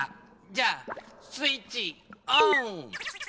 じゃあスイッチオン！